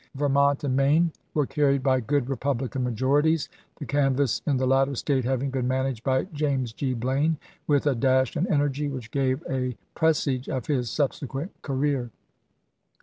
Vermont and Maine were Vol. IX.— 24 370 ABRAHAM LINCOLN chap. xvi. carried by good Republican majorities, the can vass in the latter State having been managed by James Gr. Blaine with a dash and energy which gave a presage of his subsequent career.